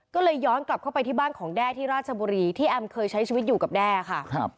ก็เลยย้อนกลับเข้าไปที่บ้านของแด้ที่ราชบุรีที่แอมเคยใช้ชีวิตอยู่กับแด้ค่ะ